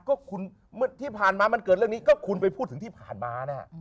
ก็คุณที่ผ่านมามันเกิดเรื่องนี้ก็คุณไปพูดถึงที่ผ่านมานะฮะ